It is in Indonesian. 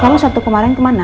kamu sabtu kemarin kemana